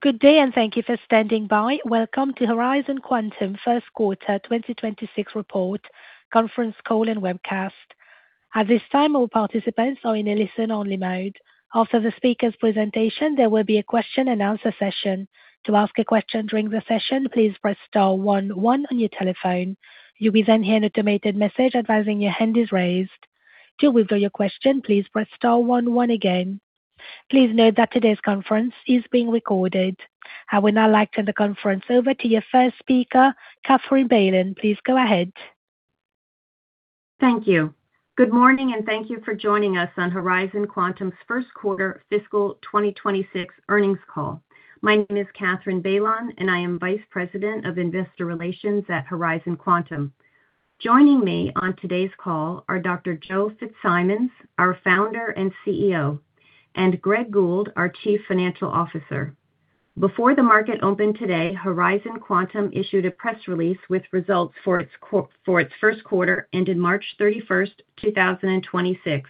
Good day and thank you for standing by. Welcome to Horizon Quantum First Quarter 2026 Report Conference Call and Webcast. At this time, all participants are in a listen-only mode. After the speaker's presentation, there will be a question-and-answer session. To ask a question during the session, please press star one one on your telephone. You will then hear an automated message advising your hand is raised. To withdraw your question, please press star one one again. Please note that today's conference is being recorded. I would now like to hand the conference over to your first speaker, Katherine Bailon. Please go ahead. Thank you. Good morning, and thank you for joining us on Horizon Quantum's first quarter fiscal 2026 earnings call. My name is Katherine Bailon, and I am Vice President of Investor Relations at Horizon Quantum. Joining me on today's call are Dr Joe Fitzsimons, our Founder and CEO, and Greg Gould, our Chief Financial Officer. Before the market opened today, Horizon Quantum issued a press release with results for its first quarter ended March 31st, 2026.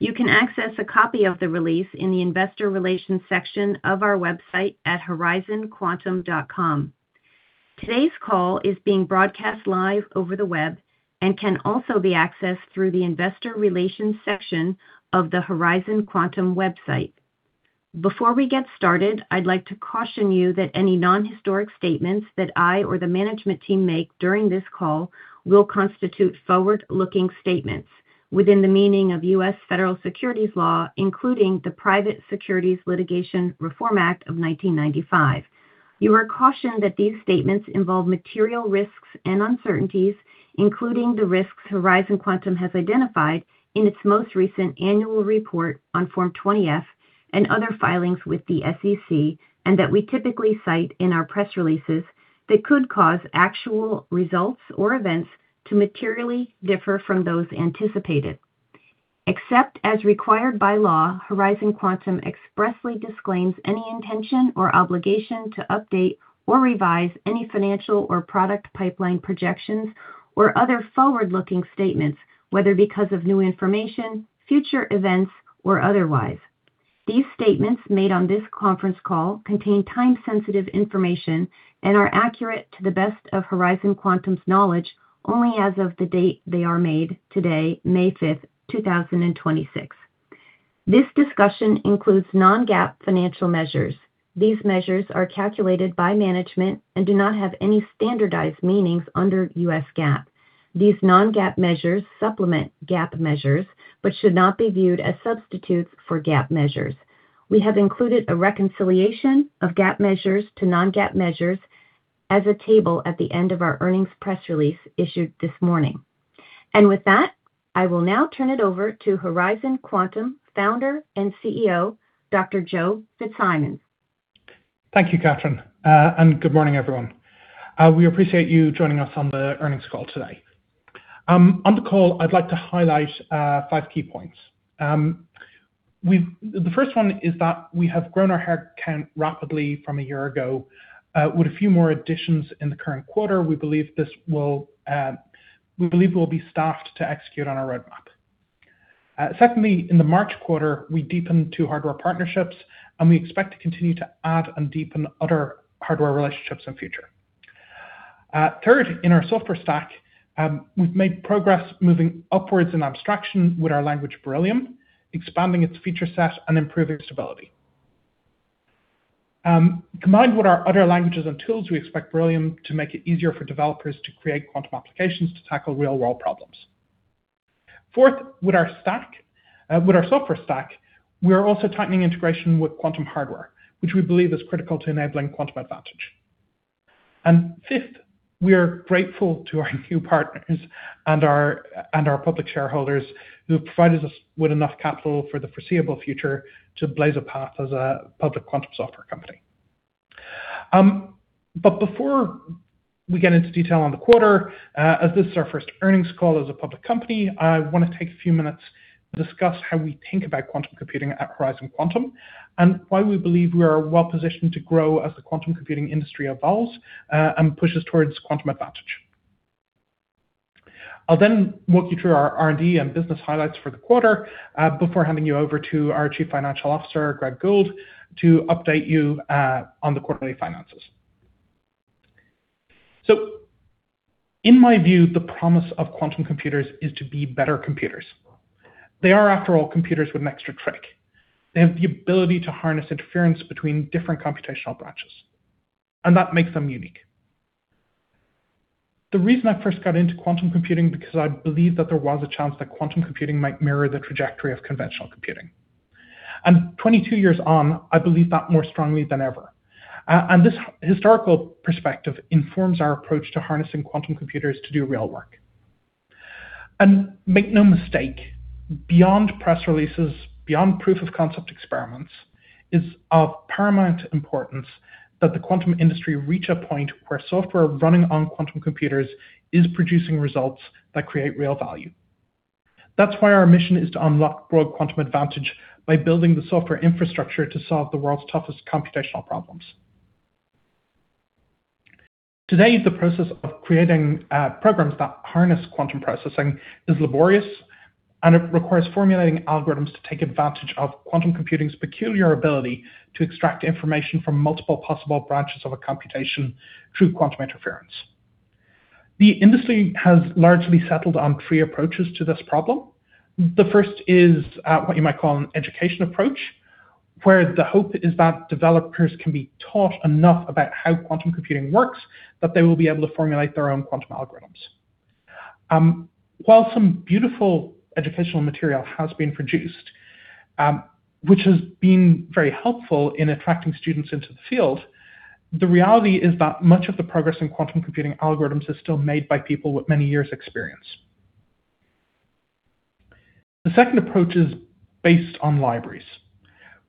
You can access a copy of the release in the Investor Relations section of our website at horizonquantum.com. Today's call is being broadcast live over the web and can also be accessed through the Investor Relations section of the Horizon Quantum website. Before we get started, I'd like to caution you that any non-historic statements that I or the management team make during this call will constitute forward-looking statements within the meaning of U.S. Federal securities law, including the Private Securities Litigation Reform Act of 1995. You are cautioned that these statements involve material risks and uncertainties, including the risks Horizon Quantum has identified in its most recent annual report on Form 20-F and other filings with the SEC, and that we typically cite in our press releases that could cause actual results or events to materially differ from those anticipated. Except as required by law, Horizon Quantum expressly disclaims any intention or obligation to update or revise any financial or product pipeline projections or other forward-looking statements, whether because of new information, future events, or otherwise. These statements made on this conference call contain time-sensitive information and are accurate to the best of Horizon Quantum's knowledge only as of the date they are made today, May 5th, 2026. This discussion includes non-GAAP financial measures. These measures are calculated by management and do not have any standardized meanings under U.S. GAAP. These non-GAAP measures supplement GAAP measures but should not be viewed as substitutes for GAAP measures. We have included a reconciliation of GAAP measures to non-GAAP measures as a table at the end of our earnings press release issued this morning. With that, I will now turn it over to Horizon Quantum Founder and CEO, Dr Joe Fitzsimons. Thank you, Katherine. Good morning, everyone. We appreciate you joining us on the earnings call today. On the call, I'd like to highlight five key points. The first one is that we have grown our head count rapidly from a year ago, with a few more additions in the current quarter. We believe we'll be staffed to execute on our roadmap. Secondly, in the March quarter, we deepened two hardware partnerships. We expect to continue to add and deepen other hardware relationships in future. Third, in our software stack, we've made progress moving upwards in abstraction with our language, Beryllium, expanding its feature set and improving stability. Combined with our other languages and tools, we expect Beryllium to make it easier for developers to create quantum applications to tackle real-world problems. Fourth, with our software stack, we are also tightening integration with quantum hardware, which we believe is critical to enabling quantum advantage. Fifth, we are grateful to our few partners and our public shareholders who have provided us with enough capital for the foreseeable future to blaze a path as a public quantum software company. But before we get into detail on the quarter, as this is our first earnings call as a public company, I wanna take a few minutes to discuss how we think about quantum computing at Horizon Quantum and why we believe we are well-positioned to grow as the quantum computing industry evolves and pushes towards quantum advantage. I'll then walk you through our R&D and business highlights for the quarter, before handing you over to our Chief Financial Officer, Greg Gould, to update you on the quarterly finances. In my view, the promise of quantum computers is to be better computers. They are, after all, computers with an extra trick. They have the ability to harness interference between different computational branches, and that makes them unique. The reason I first got into quantum computing because I believed that there was a chance that quantum computing might mirror the trajectory of conventional computing. 22 years on, I believe that more strongly than ever. This historical perspective informs our approach to harnessing quantum computers to do real work. Make no mistake, beyond press releases, beyond proof of concept experiments, it's of paramount importance that the quantum industry reach a point where software running on quantum computers is producing results that create real value. That's why our mission is to unlock broad quantum advantage by building the software infrastructure to solve the world's toughest computational problems. Today, the process of creating programs that harness quantum processing is laborious, and it requires formulating algorithms to take advantage of quantum computing's peculiar ability to extract information from multiple possible branches of a computation through quantum interference. The industry has largely settled on three approaches to this problem. The first is what you might call an education approach, where the hope is that developers can be taught enough about how quantum computing works that they will be able to formulate their own quantum algorithms. While some beautiful educational material has been produced, which has been very helpful in attracting students into the field, the reality is that much of the progress in quantum computing algorithms is still made by people with many years experience. The second approach is based on libraries,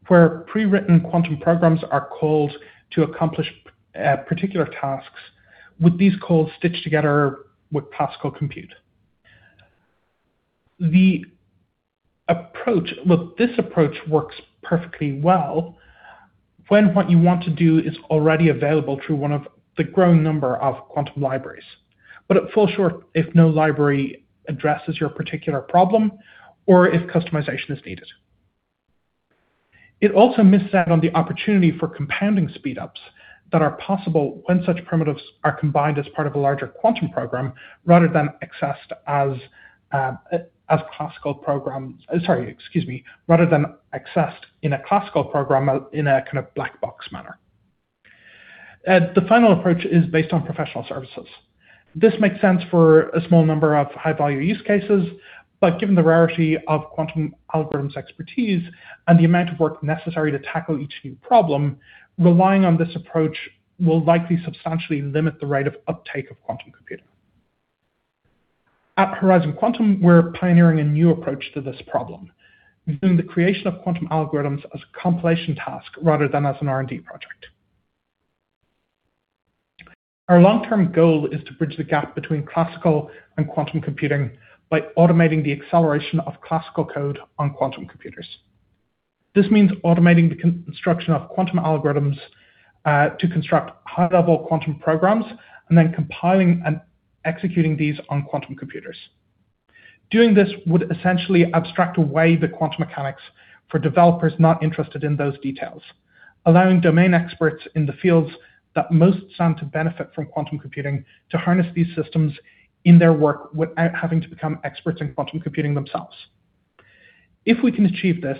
where pre-written quantum programs are called to accomplish particular tasks, with these calls stitched together with classical compute. This approach works perfectly well when what you want to do is already available through one of the growing number of quantum libraries. It falls short if no library addresses your particular problem or if customization is needed. It also missed out on the opportunity for compounding speed ups that are possible when such primitives are combined as part of a larger quantum program rather than accessed as classical program. Sorry, excuse me, rather than accessed in a classical program in a kind of black box manner. The final approach is based on professional services. This makes sense for a small number of high value use cases, but given the rarity of quantum algorithms expertise and the amount of work necessary to tackle each new problem, relying on this approach will likely substantially limit the rate of uptake of quantum computing. At Horizon Quantum, we're pioneering a new approach to this problem, viewing the creation of quantum algorithms as a compilation task rather than as an R&D project. Our long-term goal is to bridge the gap between classical and quantum computing by automating the acceleration of classical code on quantum computers. This means automating the construction of quantum algorithms to construct high-level quantum programs, and then compiling and executing these on quantum computers. Doing this would essentially abstract away the quantum mechanics for developers not interested in those details, allowing domain experts in the fields that most stand to benefit from quantum computing to harness these systems in their work without having to become experts in quantum computing themselves. If we can achieve this,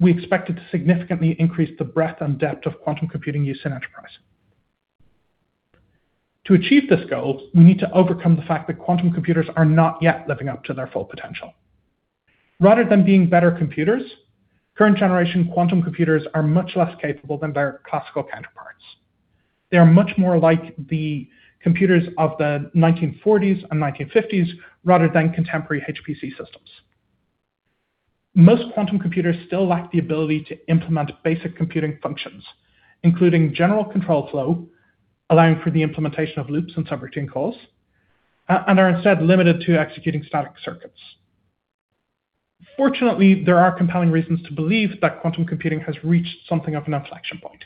we expect it to significantly increase the breadth and depth of quantum computing use in enterprise. To achieve this goal, we need to overcome the fact that quantum computers are not yet living up to their full potential. Rather than being better computers, current generation quantum computers are much less capable than their classical counterparts. They are much more like the computers of the 1940s and 1950s rather than contemporary HPC systems. Most quantum computers still lack the ability to implement basic computing functions, including general control flow, allowing for the implementation of loops and subroutine calls, and are instead limited to executing static circuits. Fortunately, there are compelling reasons to believe that quantum computing has reached something of an inflection point.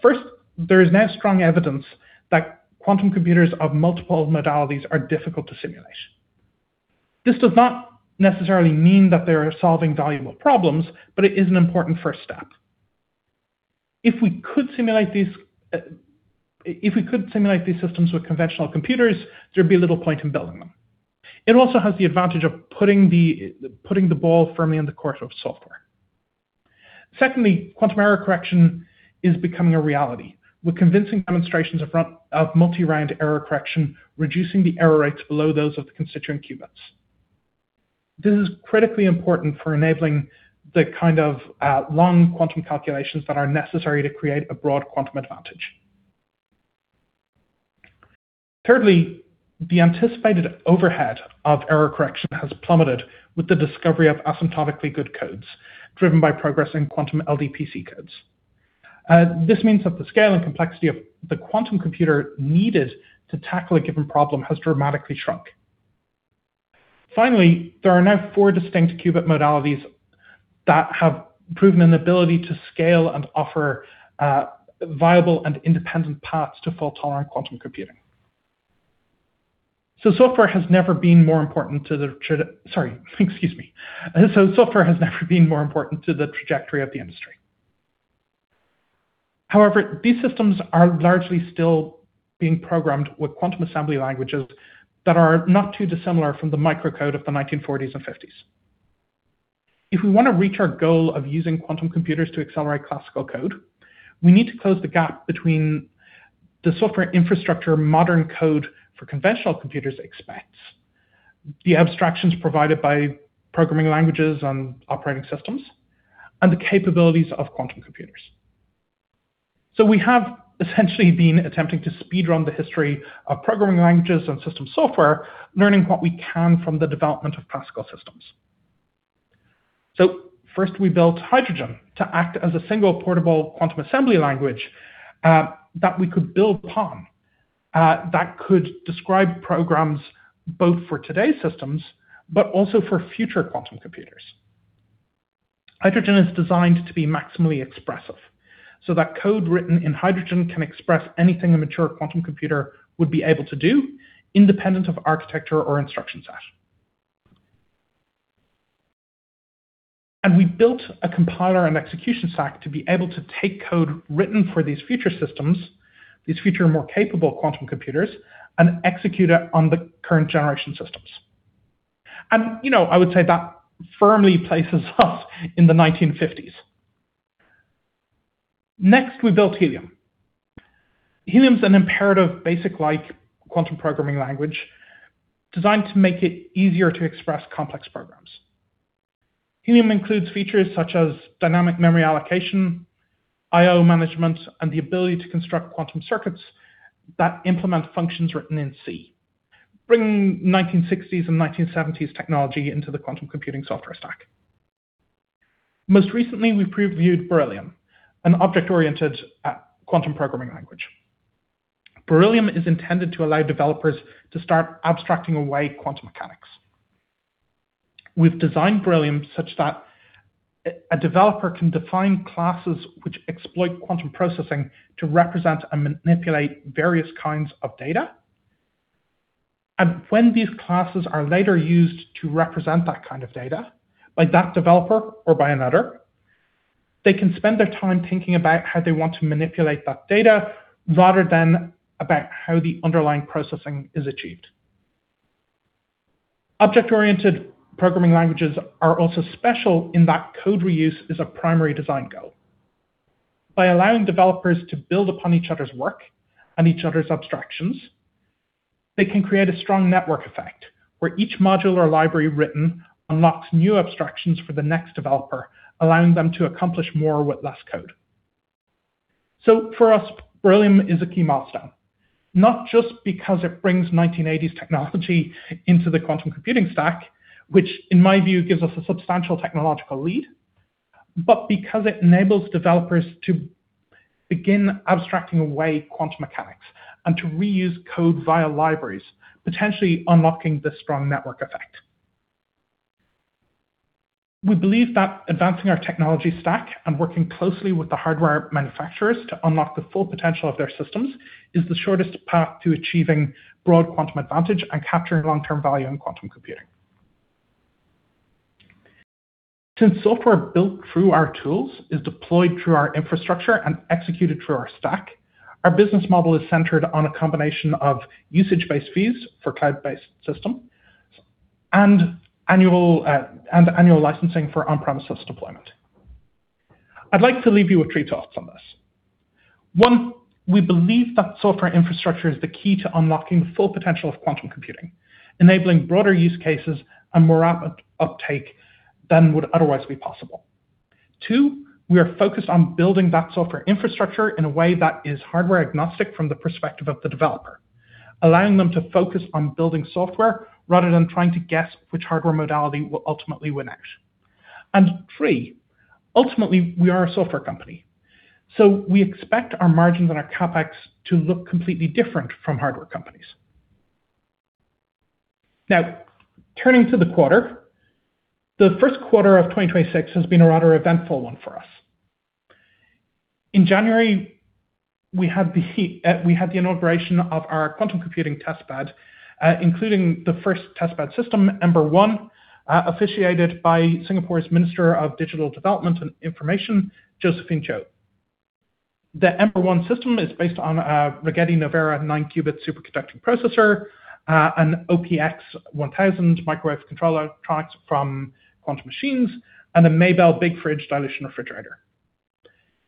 First, there is now strong evidence that quantum computers of multiple modalities are difficult to simulate. This does not necessarily mean that they are solving valuable problems, but it is an important first step. If we could simulate these systems with conventional computers, there'd be little point in building them. It also has the advantage of putting the ball firmly in the court of software. Quantum error correction is becoming a reality, with convincing demonstrations of multi-round error correction, reducing the error rates below those of the constituent qubits. This is critically important for enabling the kind of long quantum calculations that are necessary to create a broad quantum advantage. The anticipated overhead of error correction has plummeted with the discovery of asymptotically good codes driven by progress in quantum LDPC codes. This means that the scale and complexity of the quantum computer needed to tackle a given problem has dramatically shrunk. There are now four distinct qubit modalities that have proven an ability to scale and offer viable and independent paths to fault-tolerant quantum computing. Software has never been more important to the trajectory of the industry. However, these systems are largely still being programmed with quantum assembly languages that are not too dissimilar from the microcode of the 1940s and 1950s. If we wanna reach our goal of using quantum computers to accelerate classical code, we need to close the gap between the software infrastructure modern code for conventional computers expects, the abstractions provided by programming languages and operating systems, and the capabilities of quantum computers. We have essentially been attempting to speed run the history of programming languages and system software, learning what we can from the development of classical systems. First, we built Hydrogen to act as a single portable quantum assembly language that we could build upon that could describe programs both for today's systems but also for future quantum computers. Hydrogen is designed to be maximally expressive, so that code written in Hydrogen can express anything a mature quantum computer would be able to do independent of architecture or instruction set. We built a compiler and execution stack to be able to take code written for these future systems, these future more capable quantum computers, and execute it on the current generation systems. You know, I would say that firmly places us in the 1950s. Next, we built Helium. Helium's an imperative BASIC-like quantum programming language designed to make it easier to express complex programs. Helium includes features such as dynamic memory allocation, IO management, and the ability to construct quantum circuits that implement functions written in C, bringing 1960s and 1970s technology into the quantum computing software stack. Most recently, we previewed Beryllium, an object-oriented quantum programming language. Beryllium is intended to allow developers to start abstracting away quantum mechanics. We've designed Beryllium such that a developer can define classes which exploit quantum processing to represent and manipulate various kinds of data. When these classes are later used to represent that kind of data by that developer or by another, they can spend their time thinking about how they want to manipulate that data rather than about how the underlying processing is achieved. Object-oriented programming languages are also special in that code reuse is a primary design goal. By allowing developers to build upon each other's work and each other's abstractions, they can create a strong network effect where each module or library written unlocks new abstractions for the next developer, allowing them to accomplish more with less code. For us, Beryllium is a key milestone, not just because it brings 1980s technology into the quantum computing stack, which in my view, gives us a substantial technological lead, but because it enables developers to begin abstracting away quantum mechanics and to reuse code via libraries, potentially unlocking the strong network effect. We believe that advancing our technology stack and working closely with the hardware manufacturers to unlock the full potential of their systems is the shortest path to achieving broad quantum advantage and capturing long-term value in quantum computing. Since software built through our tools is deployed through our infrastructure and executed through our stack, our business model is centered on a combination of usage-based fees for cloud-based system and annual licensing for on-premises deployment. I'd like to leave you with three thoughts on this. One, we believe that software infrastructure is the key to unlocking the full potential of quantum computing, enabling broader use cases and more rapid uptake than would otherwise be possible. Two, we are focused on building that software infrastructure in a way that is hardware agnostic from the perspective of the developer, allowing them to focus on building software rather than trying to guess which hardware modality will ultimately win out. Three, ultimately, we are a software company, so we expect our margins and our CapEx to look completely different from hardware companies. Now, turning to the quarter, the first quarter of 2026 has been a rather eventful one for us. In January, we had the inauguration of our quantum computing testbed, including the first testbed system, Ember One, officiated by Singapore's Minister of Digital Development and Information, Josephine Teo. The Ember One system is based on a Rigetti Novera 9-qubit superconducting processor, an OPX1000 microwave controller electronics from Quantum Machines, and a Maybell Big Fridge dilution refrigerator.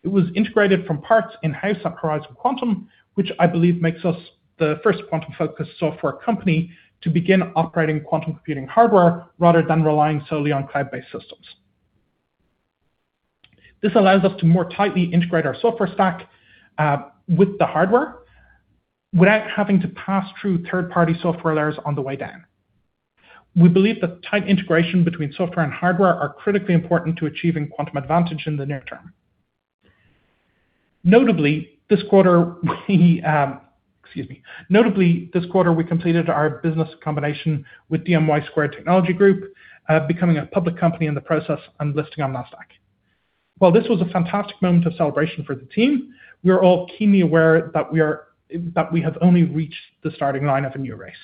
It was integrated from parts in-house at Horizon Quantum, which I believe makes us the first quantum-focused software company to begin operating quantum computing hardware rather than relying solely on cloud-based systems. This allows us to more tightly integrate our software stack with the hardware without having to pass through third-party software layers on the way down. We believe that tight integration between software and hardware are critically important to achieving quantum advantage in the near term. Notably, this quarter, we completed our business combination with dMY Squared Technology Group, becoming a public company in the process and listing on Nasdaq. While this was a fantastic moment of celebration for the team, we are all keenly aware that we have only reached the starting line of a new race.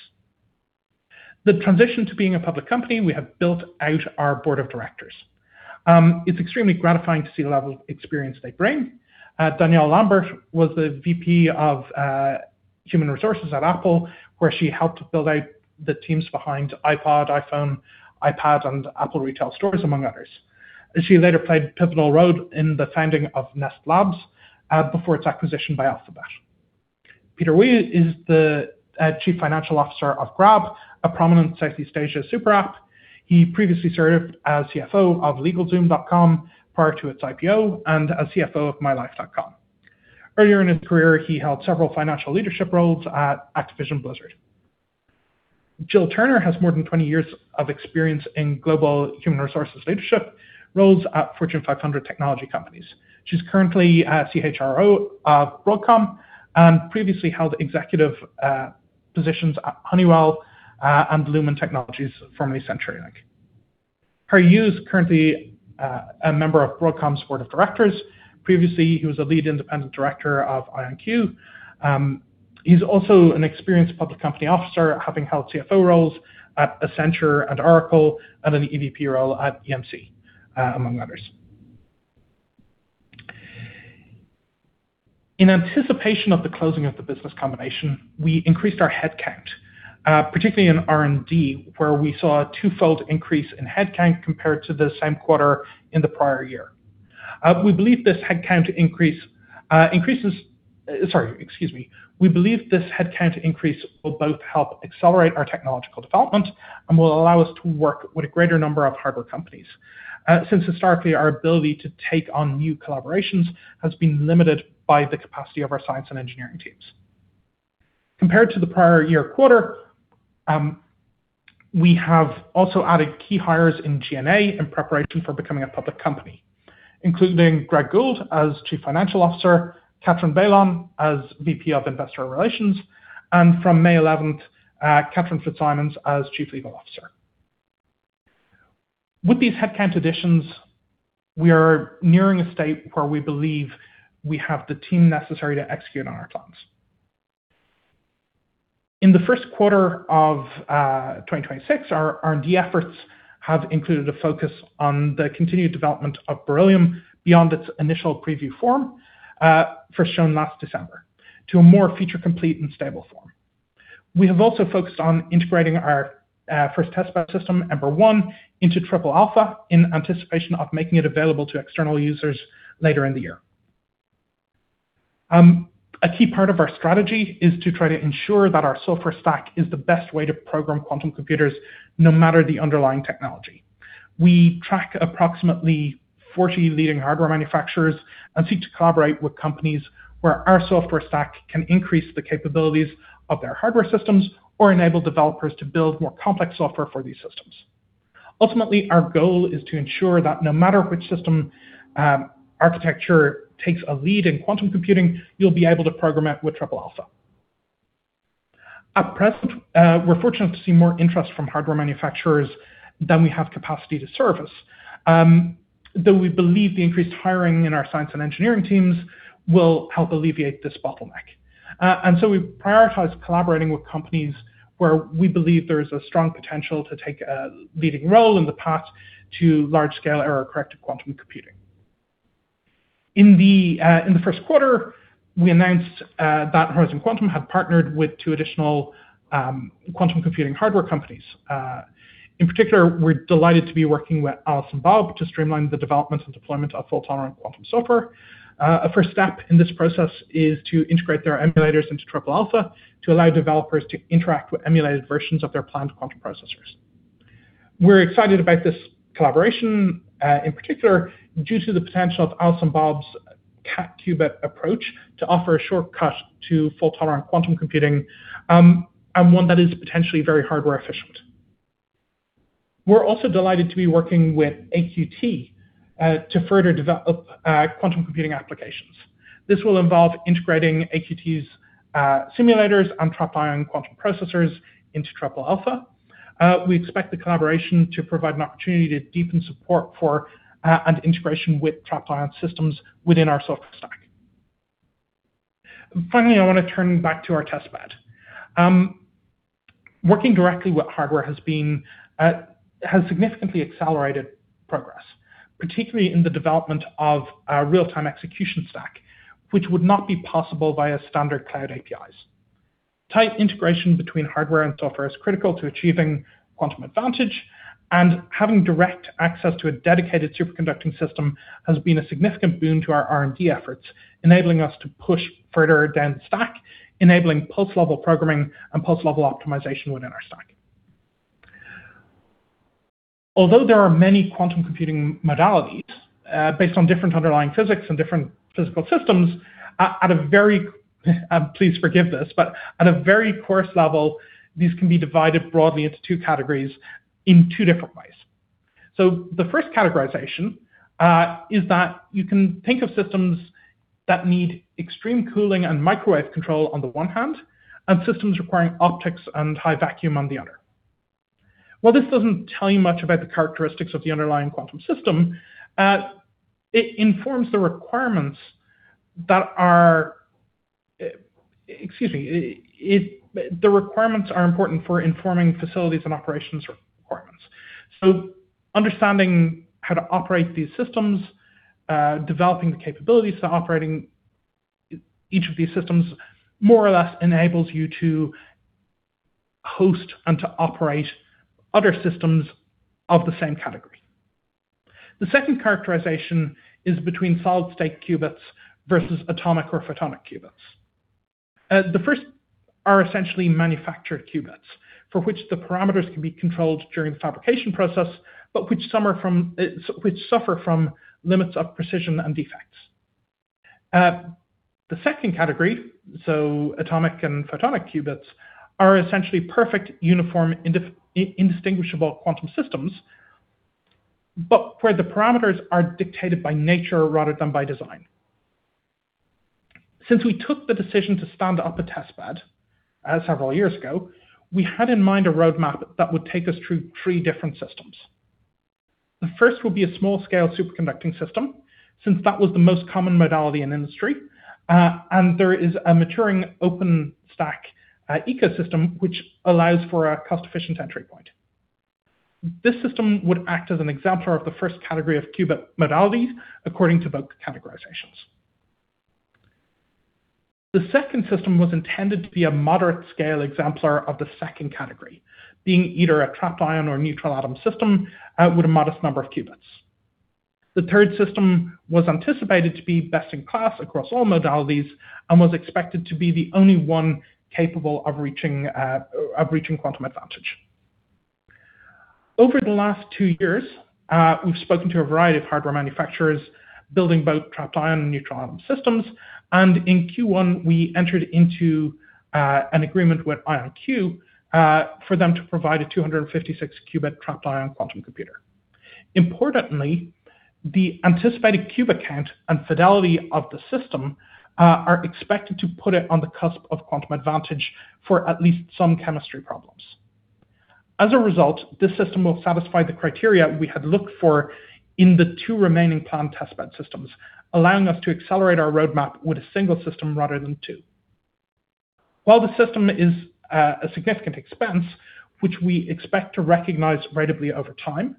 The transition to being a public company, we have built out our Board of Directors. It's extremely gratifying to see the level of experience they bring. Danielle Lambert was the VP of Human Resources at Apple, where she helped build out the teams behind iPod, iPhone, iPad, and Apple Retail Stores, among others. She later played a pivotal role in the founding of Nest Labs before its acquisition by Alphabet. Peter Oey is the Chief Financial Officer of Grab, a prominent Southeast Asia super app. He previously served as CFO of LegalZoom.com prior to its IPO and as CFO of MyLife.com. Earlier in his career, he held several financial leadership roles at Activision Blizzard. Jill Turner has more than 20 years of experience in global human resources leadership roles at Fortune 500 technology companies. She's currently CHRO of Broadcom and previously held executive positions at Honeywell and Lumen Technologies, formerly CenturyLink. Harry You is currently a member of Broadcom's Board of Directors. Previously, he was a Lead Independent Director of IonQ. He's also an experienced public company officer, having held CFO roles at Accenture and Oracle, and an EVP role at EMC among others. In anticipation of the closing of the business combination, we increased our headcount, particularly in R&D, where we saw a twofold increase in headcount compared to the same quarter in the prior year. We believe this headcount increase will both help accelerate our technological development and will allow us to work with a greater number of hardware companies, since historically, our ability to take on new collaborations has been limited by the capacity of our science and engineering teams. Compared to the prior year quarter, we have also added key hires in G&A in preparation for becoming a public company, including Greg Gould as Chief Financial Officer, Katherine Bailon as VP of Investor Relations, and from May 11th, Catherine Fitzsimons as Chief Legal Officer. With these headcount additions, we are nearing a state where we believe we have the team necessary to execute on our plans. In the first quarter of 2026, our R&D efforts have included a focus on the continued development of Beryllium beyond its initial preview form, first shown last December, to a more feature-complete and stable form. We have also focused on integrating our first testbed system, Ember One, into Triple Alpha in anticipation of making it available to external users later in the year. A key part of our strategy is to try to ensure that our software stack is the best way to program quantum computers, no matter the underlying technology. We track approximately 40 leading hardware manufacturers and seek to collaborate with companies where our software stack can increase the capabilities of their hardware systems or enable developers to build more complex software for these systems. Ultimately, our goal is to ensure that no matter which system architecture takes a lead in quantum computing, you'll be able to program it with Triple Alpha. At present, we're fortunate to see more interest from hardware manufacturers than we have capacity to service, though we believe the increased hiring in our science and engineering teams will help alleviate this bottleneck. We prioritize collaborating with companies where we believe there is a strong potential to take a leading role in the path to large-scale error-corrected quantum computing. In the first quarter, we announced that Horizon Quantum had partnered with two additional quantum computing hardware companies. In particular, we're delighted to be working with Alice & Bob to streamline the development and deployment of fault-tolerant quantum software. A first step in this process is to integrate their emulators into Triple Alpha to allow developers to interact with emulated versions of their planned quantum processors. We're excited about this collaboration, in particular due to the potential of Alice & Bob's cat qubit approach to offer a shortcut to fault-tolerant quantum computing, and one that is potentially very hardware efficient. We're also delighted to be working with AQT to further develop quantum computing applications. This will involve integrating AQT's simulators and trapped ion quantum processors into Triple Alpha. We expect the collaboration to provide an opportunity to deepen support for and integration with trapped ion systems within our software stack. Finally, I want to turn back to our testbed. Working directly with hardware has significantly accelerated progress, particularly in the development of our real-time execution stack, which would not be possible via standard cloud APIs. Tight integration between hardware and software is critical to achieving quantum advantage, and having direct access to a dedicated superconducting system has been a significant boon to our R&D efforts, enabling us to push further down the stack, enabling pulse level programming and pulse level optimization within our stack. Although there are many quantum computing modalities, based on different underlying physics and different physical systems, please forgive this, but at a very coarse level, these can be divided broadly into two categories in two different ways. The first categorization, is that you can think of systems that need extreme cooling and microwave control on the one hand, and systems requiring optics and high vacuum on the other. While this doesn't tell you much about the characteristics of the underlying quantum system, the requirements are important for informing facilities and operations requirements. Understanding how to operate these systems, developing the capabilities to operating each of these systems more or less enables you to host and to operate other systems of the same category. The second characterization is between solid-state qubits versus atomic or photonic qubits. The first are essentially manufactured qubits for which the parameters can be controlled during the fabrication process, but which some are from, which suffer from limits of precision and defects. The second category, so atomic and photonic qubits, are essentially perfect uniform indistinguishable quantum systems. Where the parameters are dictated by nature rather than by design. Since we took the decision to stand up a testbed, several years ago, we had in mind a roadmap that would take us through three different systems. The first will be a small-scale superconducting system, since that was the most common modality in industry, and there is a maturing open stack ecosystem which allows for a cost-efficient entry point. This system would act as an exemplar of the first category of qubit modalities according to both categorizations. The second system was intended to be a moderate scale exemplar of the second category, being either a trapped ion or neutral atom system, with a modest number of qubits. The third system was anticipated to be best in class across all modalities and was expected to be the only one capable of reaching quantum advantage. Over the last two years, we've spoken to a variety of hardware manufacturers building both trapped ion and neutral atom systems, and in Q1 we entered into an agreement with IonQ for them to provide a 256-qubit trapped ion quantum computer. Importantly, the anticipated qubit count and fidelity of the system are expected to put it on the cusp of quantum advantage for at least some chemistry problems. As a result, this system will satisfy the criteria we had looked for in the two remaining planned testbed systems, allowing us to accelerate our roadmap with a single system rather than two. While the system is a significant expense, which we expect to recognize ratably over time,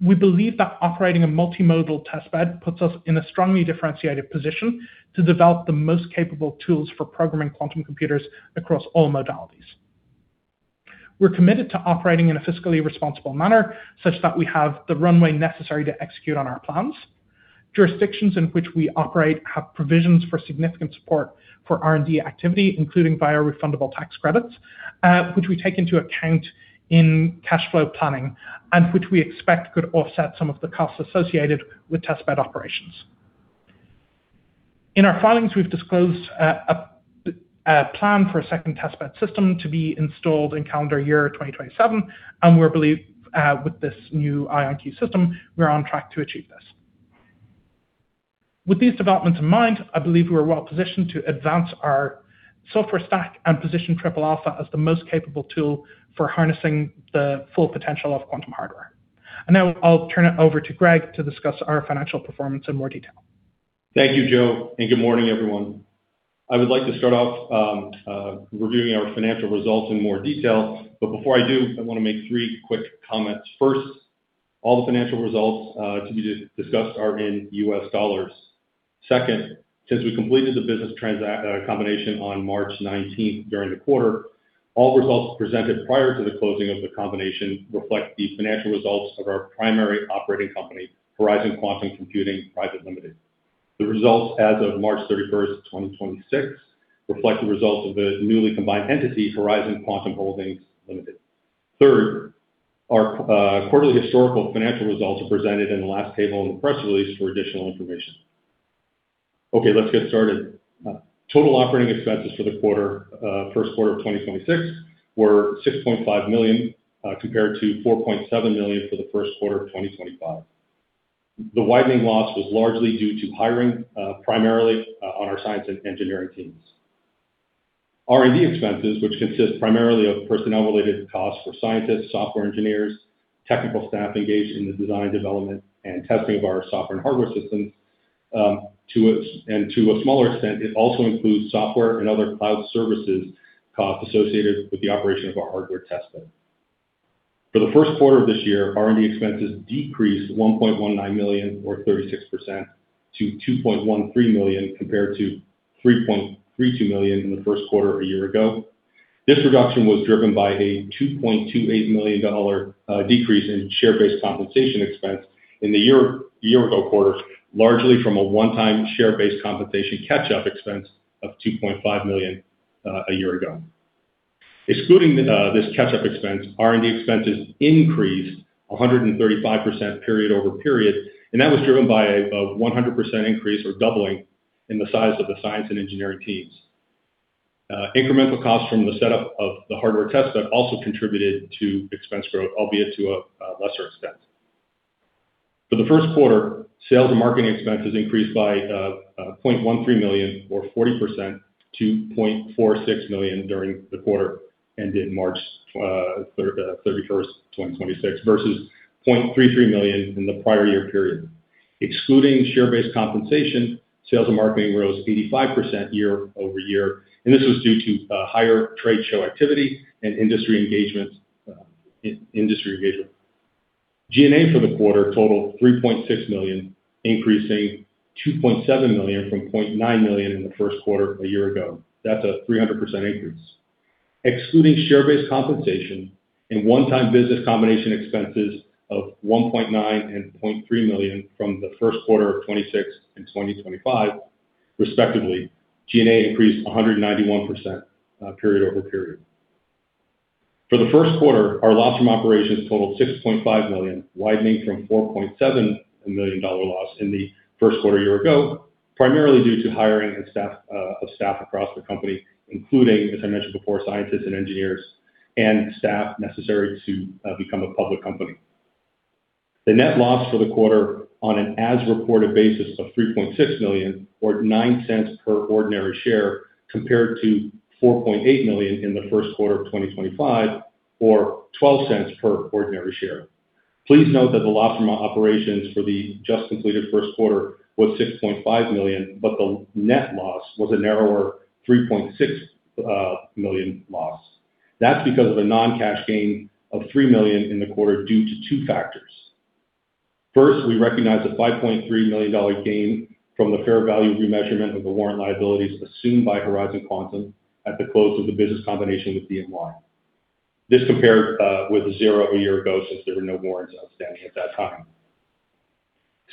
we believe that operating a multimodal testbed puts us in a strongly differentiated position to develop the most capable tools for programming quantum computers across all modalities. We're committed to operating in a fiscally responsible manner such that we have the runway necessary to execute on our plans. Jurisdictions in which we operate have provisions for significant support for R&D activity, including via refundable tax credits, which we take into account in cash flow planning and which we expect could offset some of the costs associated with testbed operations. In our filings, we've disclosed a plan for a second testbed system to be installed in calendar year 2027, and we believe with this new IonQ system, we're on track to achieve this. With these developments in mind, I believe we are well-positioned to advance our software stack and position Triple Alpha as the most capable tool for harnessing the full potential of quantum hardware. Now I'll turn it over to Greg to discuss our financial performance in more detail. Thank you, Joe, good morning, everyone. I would like to start off reviewing our financial results in more detail, but before I do, I wanna make three quick comments. First, all the financial results to be discussed are in U.S. dollars. Second, since we completed the business combination on March 19th during the quarter, all results presented prior to the closing of the combination reflect the financial results of our primary operating company, Horizon Quantum Computing Pte. Ltd. The results as of March 31st, 2026 reflect the results of the newly combined entity, Horizon Quantum Holdings Ltd. Third, our quarterly historical financial results are presented in the last table in the press release for additional information. Okay, let's get started. Total operating expenses for the first quarter of 2026 were $6.5 million, compared to $4.7 million for the first quarter of 2025. The widening loss was largely due to hiring, primarily on our science and engineering teams. R&D expenses, which consist primarily of personnel-related costs for scientists, software engineers, technical staff engaged in the design, development, and testing of our software and hardware systems, and to a smaller extent, it also includes software and other cloud services costs associated with the operation of our hardware testbed. For the first quarter of this year, R&D expenses decreased $1.19 million or 36% to $2.13 million, compared to $3.32 million in the first quarter a year ago. This reduction was driven by a $2.28 million decrease in share-based compensation expense in the year ago quarter, largely from a one-time share-based compensation catch-up expense of $2.5 million a year ago. Excluding this catch-up expense, R&D expenses increased 135% period-over-period, and that was driven by a 100% increase or doubling in the size of the science and engineering teams. Incremental costs from the setup of the hardware testbed also contributed to expense growth, albeit to a lesser extent. For the first quarter, sales and marketing expenses increased by $0.13 million or 40% to $0.46 million during the quarter that ended March 31st, 2026 versus $0.33 million in the prior year period. Excluding share-based compensation, sales and marketing rose 85% year-over-year. This was due to higher trade show activity and industry engagement. G&A for the quarter totaled $3.6 million, increasing $2.7 million from $0.9 million in the first quarter a year ago. That's a 300% increase. Excluding share-based compensation and one-time business combination expenses of $1.9 million and $0.3 million from the first quarter of 2026 and 2025 respectively, G&A increased 191% period-over-period. For the first quarter, our loss from operations totaled $6.5 million, widening from $4.7 million loss in the first quarter a year ago. Primarily due to hiring and staff of staff across the company, including, as I mentioned before, scientists and engineers and staff necessary to become a public company. The net loss for the quarter on an as-reported basis of $3.6 million, or $0.09 per ordinary share, compared to $4.8 million in the first quarter of 2025, or $0.12 per ordinary share. Please note that the loss from operations for the just completed first quarter was $6.5 million, but the net loss was a narrower $3.6 million loss. That's because of a non-cash gain of $3 million in the quarter due to two factors. First, we recognized a $5.3 million gain from the fair value remeasurement of the warrant liabilities assumed by Horizon Quantum at the close of the business combination with dMY. This compared with zero a year ago since there were no warrants outstanding at that time.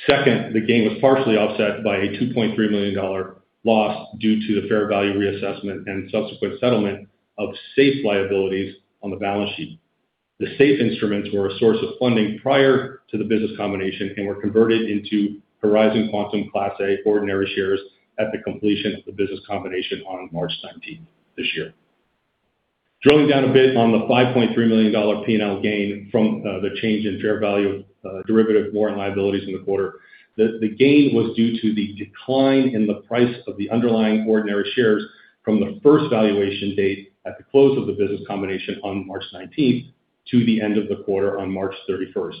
Second, the gain was partially offset by a $2.3 million loss due to the fair value reassessment and subsequent settlement of SAFE liabilities on the balance sheet. The SAFE instruments were a source of funding prior to the business combination and were converted into Horizon Quantum Class A ordinary shares at the completion of the business combination on March 19th this year. Drilling down a bit on the $5.3 million P&L gain from the change in fair value, derivative warrant liabilities in the quarter. The gain was due to the decline in the price of the underlying ordinary shares from the first valuation date at the close of the business combination on March 19th to the end of the quarter on March 31st,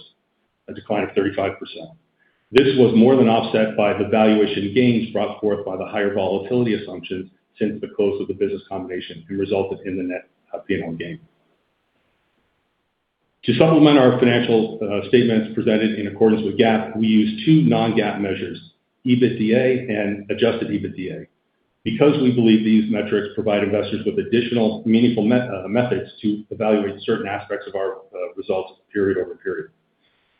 a decline of 35%. This was more than offset by the valuation gains brought forth by the higher volatility assumptions since the close of the business combination, we resulted in the net P&L gain. To supplement our financial statements presented in accordance with GAAP, we use two non-GAAP measures, EBITDA and Adjusted EBITDA, because we believe these metrics provide investors with additional meaningful methods to evaluate certain aspects of our results period-over-period.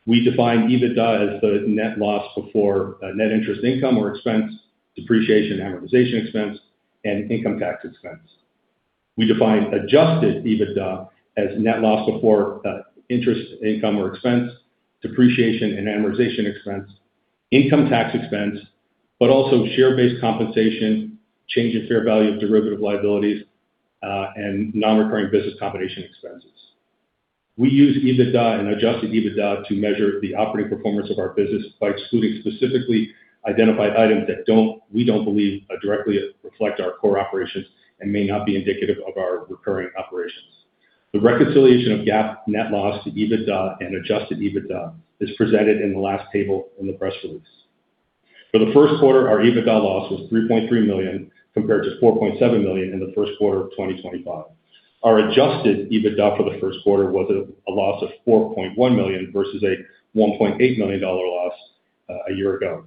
We define EBITDA as the net loss before net interest income or expense, depreciation and amortization expense, and income tax expense. We define Adjusted EBITDA as net loss before interest income or expense, depreciation and amortization expense, income tax expense, but also share-based compensation, change in fair value of derivative liabilities, and non-recurring business combination expenses. We use EBITDA and Adjusted EBITDA to measure the operating performance of our business by excluding specifically identified items that we don't believe directly reflect our core operations and may not be indicative of our recurring operations. The reconciliation of GAAP net loss to EBITDA and Adjusted EBITDA is presented in the last table in the press release. For the first quarter, our EBITDA loss was $3.3 million, compared to $4.7 million in the first quarter of 2025. Our Adjusted EBITDA for the first quarter was a loss of $4.1 million versus a $1.8 million loss a year ago.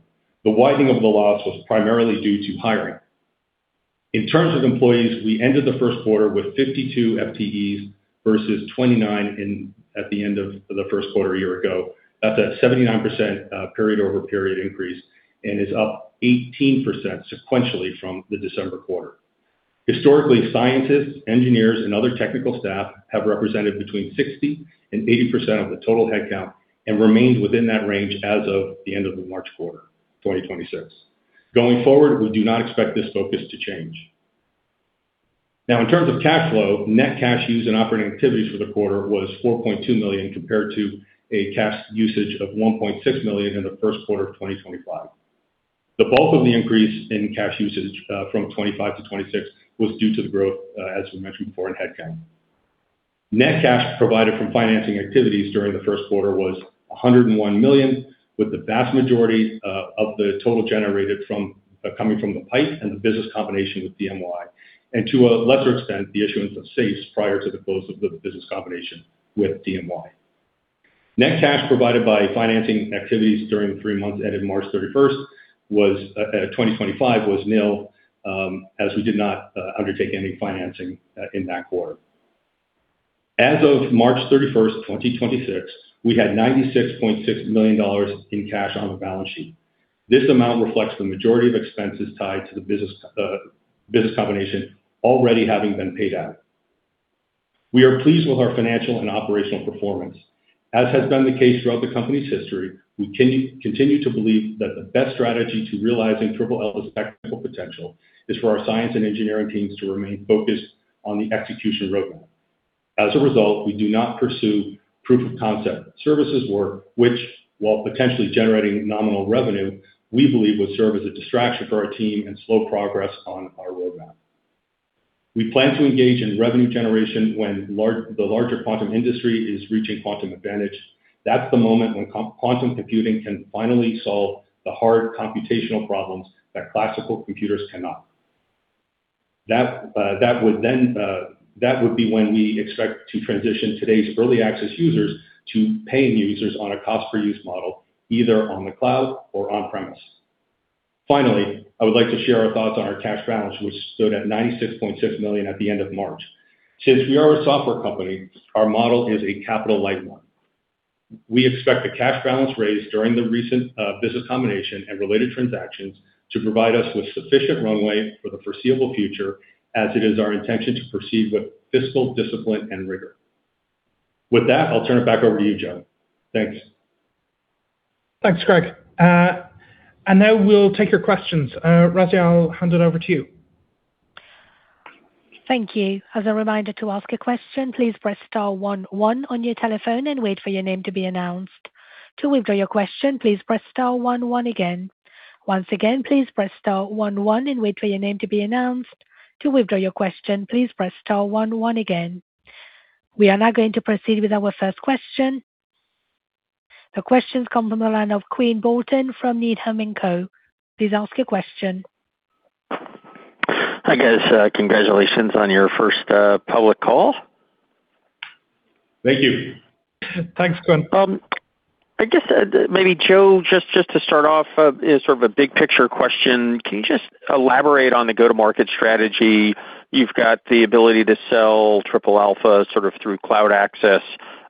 The widening of the loss was primarily due to hiring. In terms of employees, we ended the first quarter with 52 FTEs versus 29 at the end of the first quarter a year ago. That's a 79% period-over-period increase and is up 18% sequentially from the December quarter. Historically, scientists, engineers, and other technical staff have represented between 60% and 80% of the total headcount and remains within that range as of the end of the March quarter 2026. Going forward, we do not expect this focus to change. In terms of cash flow, net cash used in operating activities for the quarter was $4.2 million compared to a cash usage of $1.6 million in the first quarter of 2025. The bulk of the increase in cash usage from 2025 to 2026 was due to the growth, as we mentioned before, in headcount. Net cash provided from financing activities during the first quarter was $101 million, with the vast majority of the total generated coming from the PIPE and the business combination with dMY, and to a lesser extent, the issuance of SAFEs prior to the close of the business combination with dMY. Net cash provided by financing activities during the three months ended March 31st, 2025 was nil, as we did not undertake any financing in that quarter. As of March 31st, 2026, we had $96.6 million in cash on the balance sheet. This amount reflects the majority of expenses tied to the business combination already having been paid out. We are pleased with our financial and operational performance. As has been the case throughout the company's history, we continue to believe that the best strategy to realizing Triple Alpha's technical potential is for our science and engineering teams to remain focused on the execution roadmap. As a result, we do not pursue proof of concept services work, which while potentially generating nominal revenue, we believe would serve as a distraction for our team and slow progress on our roadmap. We plan to engage in revenue generation when the larger quantum industry is reaching quantum advantage. That's the moment when quantum computing can finally solve the hard computational problems that classical computers cannot. That would then, that would be when we expect to transition today's early access users to paying users on a cost per use model, either on the cloud or on-premise. Finally, I would like to share our thoughts on our cash balance, which stood at $96.6 million at the end of March. Since we are a software company, our model is a capital-light one. We expect the cash balance raised during the recent business combination and related transactions to provide us with sufficient runway for the foreseeable future, as it is our intention to proceed with fiscal discipline and rigor. With that, I'll turn it back over to you, Joe. Thanks. Thanks, Greg. Now we'll take your questions. Raziel, I'll hand it over to you. Thank you. As a reminder to ask a question, please press star one one on your telephone and wait for your name to be announced. To withdraw your question, please press star one one again. Once again, please press star one one and wait for your name to be announced. To withdraw your question, please press star one one again. We are now going to proceed with our first question. The questions come from the line of Quinn Bolton from Needham & Co. Please ask your question. Hi, guys. Congratulations on your first public call. Thank you. Thanks, Quinn. I guess, maybe Joe, to start off, is sort of a big picture question. Can you elaborate on the go-to-market strategy? You've got the ability to sell Triple Alpha sort of through cloud access,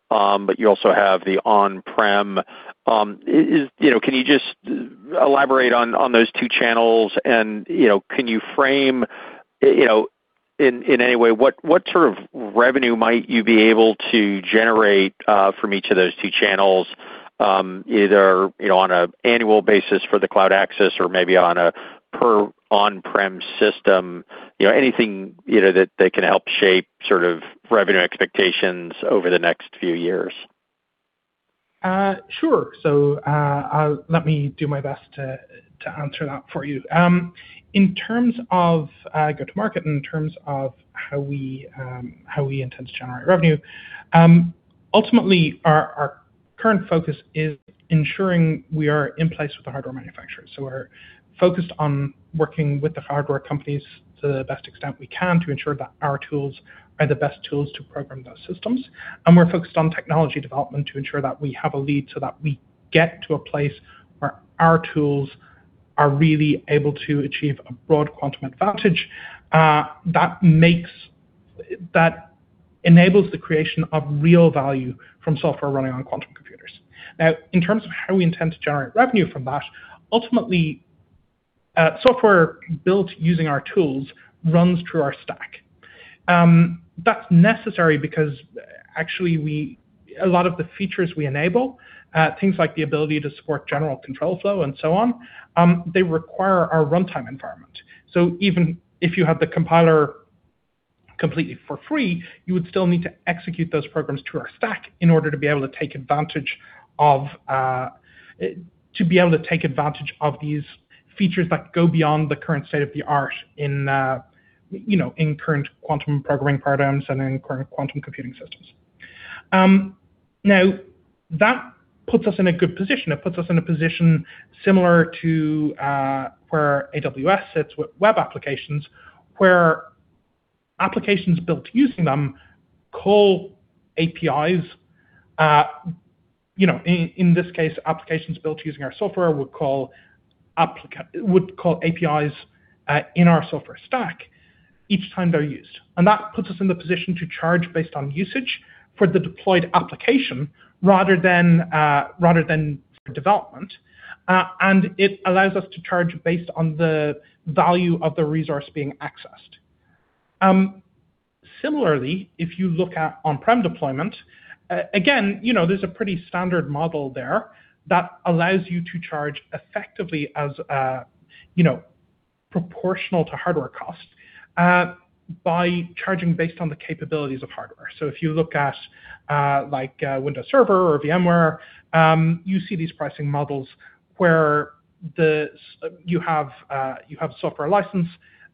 but you also have the on-prem. You know, can you elaborate on those two channels and, you know, can you frame, you know, in any way what sort of revenue might you be able to generate from each of those two channels, either, you know, on an annual basis for the cloud access or maybe on a per on-prem system? You know, anything, you know, that can help shape sort of revenue expectations over the next few years. Sure. Let me do my best to answer that for you. In terms of go-to-market, in terms of how we intend to generate revenue, ultimately, our current focus is ensuring we are in place with the hardware manufacturers. We're focused on working with the hardware companies to the best extent we can to ensure that our tools are the best tools to program those systems. We're focused on technology development to ensure that we have a lead so that we get to a place where our tools are really able to achieve a broad quantum advantage that enables the creation of real value from software running on quantum computers. In terms of how we intend to generate revenue from that, ultimately, software built using our tools runs through our stack. That's necessary because actually a lot of the features we enable, things like the ability to support general control flow and so on, they require our runtime environment. Even if you have the compiler completely for free, you would still need to execute those programs through our stack in order to be able to take advantage of these features that go beyond the current state-of-the-art in, you know, in current quantum programming paradigms and in current quantum computing systems. Now that puts us in a good position. It puts us in a position similar to where AWS sits with web applications, where applications built using them call APIs. You know, in this case, applications built using our software would call APIs in our software stack each time they're used. That puts us in the position to charge based on usage for the deployed application rather than rather than for development. It allows us to charge based on the value of the resource being accessed. Similarly, if you look at on-prem deployment, again, you know, there's a pretty standard model there that allows you to charge effectively as, you know, proportional to hardware cost by charging based on the capabilities of hardware. If you look at, like, Windows Server or VMware, you see these pricing models where you have software license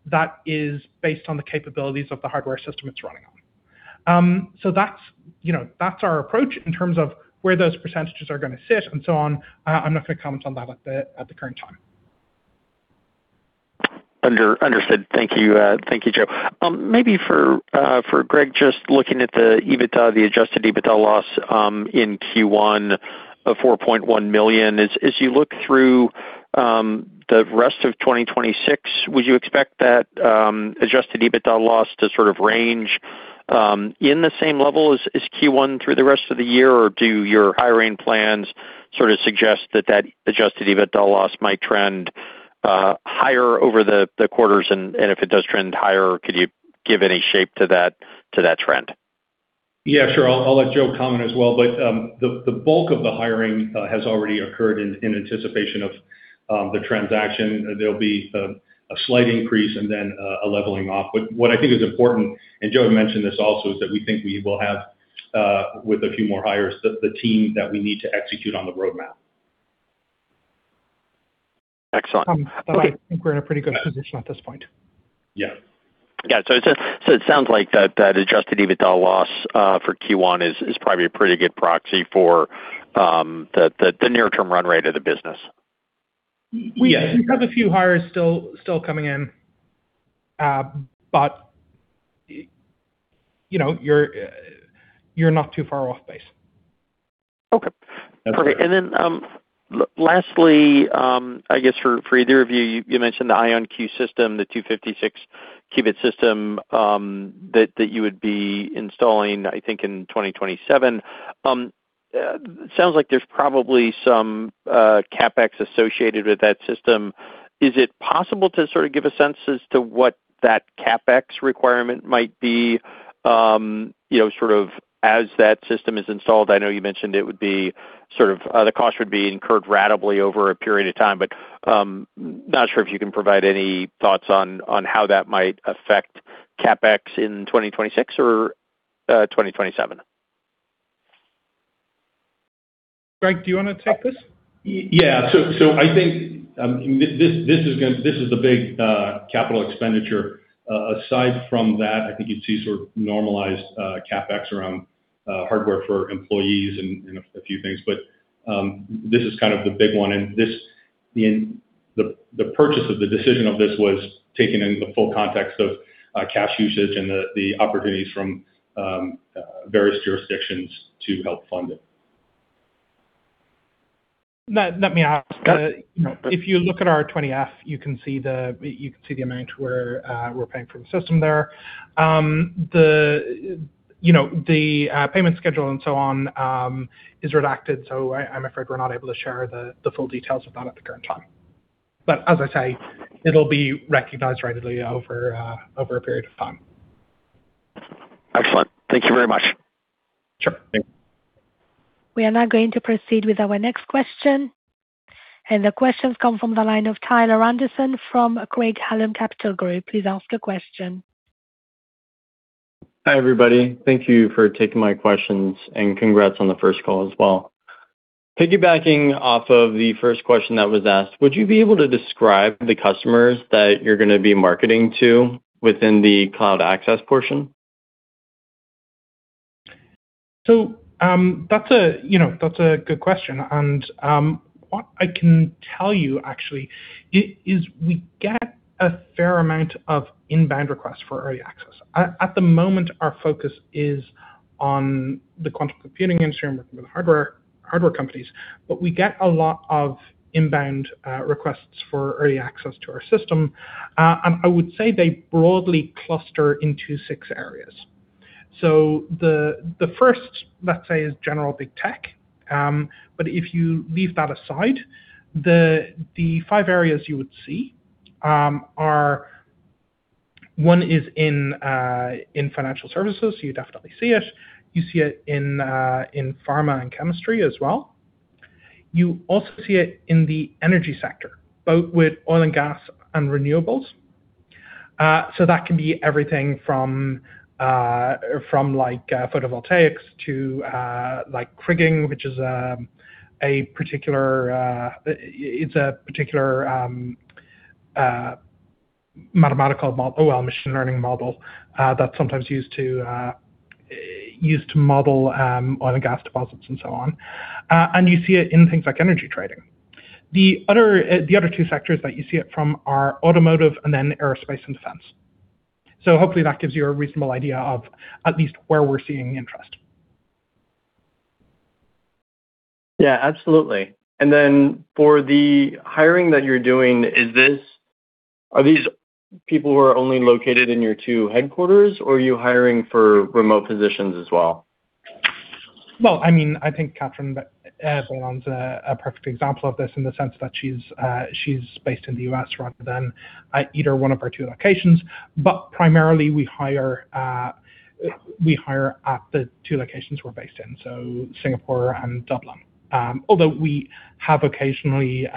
that is based on the capabilities of the hardware system it's running on. That's, you know, that's our approach. In terms of where those percentages are gonna sit and so on, I'm not gonna comment on that at the current time. Understood. Thank you, Joe. Maybe for Greg, just looking at the EBITDA, the Adjusted EBITDA loss in Q1 of $4.1 million. As you look through the rest of 2026, would you expect that Adjusted EBITDA loss to sort of range in the same level as Q1 through the rest of the year? Or do your hiring plans sort of suggest that Adjusted EBITDA loss might trend higher over the quarters? If it does trend higher, could you give any shape to that trend? Yeah, sure. I'll let Joe comment as well. The bulk of the hiring has already occurred in anticipation of the transaction. There'll be a slight increase and then a leveling off. What I think is important, and Joe had mentioned this also, is that we think we will have, with a few more hires, the team that we need to execute on the roadmap. Excellent. Okay. I think we're in a pretty good position at this point. Yeah. Yeah. It sounds like that Adjusted EBITDA loss for Q1 is probably a pretty good proxy for the near term run rate of the business. Yes. We have a few hires still coming in. You know, you're not too far off base. Okay. That's right. Lastly, I guess for either of you mentioned the IonQ system, the 256-qubit system, you would be installing, I think, in 2027. It sounds like there's probably some CapEx associated with that system. Is it possible to sort of give a sense as to what that CapEx requirement might be, you know, sort of as that system is installed? I know you mentioned it would be sort of, the cost would be incurred ratably over a period of time. Not sure if you can provide any thoughts on how that might affect CapEx in 2026 or 2027. Greg, do you wanna take this? Yeah. I think this is the big capital expenditure. Aside from that, I think you'd see sort of normalized CapEx around hardware for employees and a few things. This is kind of the big one, and the purchase of the decision of this was taken in the full context of cash usage and the opportunities from various jurisdictions to help fund it. Let me answer. Go ahead. No. if you look at our 20F, you can see the amount where we're paying for the system there. The, you know, the payment schedule and so on, is redacted, so I'm afraid we're not able to share the full details of that at the current time. As I say, it'll be recognized ratably over a period of time. Excellent. Thank you very much. Sure. Thank you. We are now going to proceed with our next question. The question's come from the line of Tyler Anderson from Craig-Hallum Capital Group. Please ask your question. Hi, everybody. Thank you for taking my questions, and congrats on the first call as well. Piggybacking off of the first question that was asked, would you be able to describe the customers that you're gonna be marketing to within the cloud access portion? That's a, you know, that's a good question and what I can tell you actually is we get a fair amount of inbound requests for early access. At the moment, our focus is on the quantum computing instrument with the hardware companies, but we get a lot of inbound requests for early access to our system. I would say they broadly cluster into six areas. The first, let's say, is general big tech. But if you leave that aside, the five areas you would see are One is in financial services, you'd definitely see it. You see it in pharma and chemistry as well. You also see it in the energy sector, both with oil and gas and renewables. That can be everything from from like photovoltaics to like kriging, which is a particular mathematical ML, machine learning model, that's sometimes used to model oil and gas deposits and so on. You see it in things like energy trading. The other two sectors that you see it from are automotive and then aerospace and defense. Hopefully that gives you a reasonable idea of at least where we're seeing the interest. Yeah, absolutely. For the hiring that you're doing, are these people who are only located in your two headquarters, or are you hiring for remote positions as well? I mean, I think Katherine Bailon's a perfect example of this in the sense that she's based in the U.S. rather than either one of our two locations. Primarily we hire at the two locations we're based in, so Singapore and Dublin. Although we have occasionally